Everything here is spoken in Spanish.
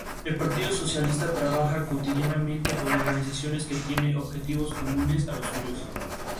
Nacido en Dorado, cursó estudios de derecho en Indiana, Estados Unidos.